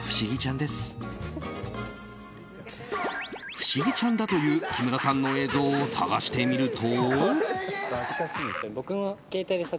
不思議ちゃんだという木村さんの映像を探してみると。